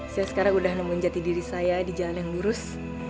saya sekarang udah nemuin jati diri saya di jalan yang lurus